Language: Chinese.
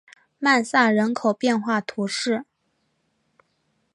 曼萨人口变化图示